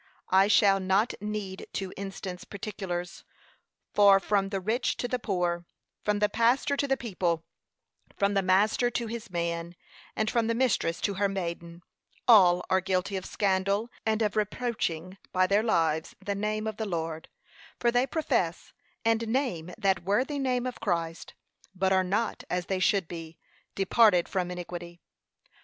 I shall not need to instance particulars; for from the rich to the poor, from the pastor to the people, from the master to his man, and from the mistress to her maiden, all are guilty of scandal, and of reproaching, by their lives, the name of the Lord; for they profess, and name that worthy name of Christ, but are not as they should be, departed from iniquity.